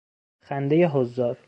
خندهی حضار